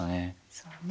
そうね。